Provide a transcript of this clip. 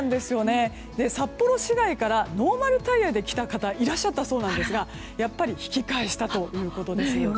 札幌市内からノーマルタイヤで来た方がいらっしゃったそうなんですがやはり引き返したということです。